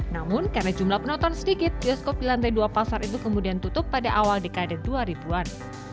namun karena jumlah penonton sedikit bioskop di lantai dua pasar itu kemudian tutup pada awal dekade dua ribu an